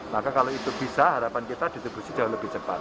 maka kalau itu bisa harapan kita distribusi jauh lebih cepat